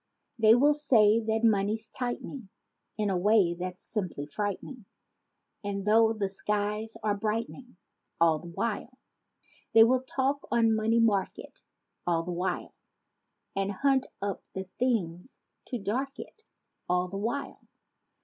They will say that "money's tightening In a way that's simply frightening!" E'en though the skies are brightening— All the while. They will talk on "money market" All the while. And hunt up the things to dark it All the while.